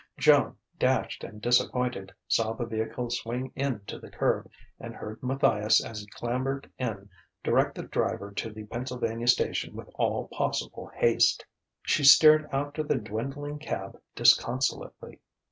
Joan, dashed and disappointed, saw the vehicle swing in to the curb and heard Matthias, as he clambered in, direct the driver to the Pennsylvania Station with all possible haste. She stared after the dwindling cab disconsolately.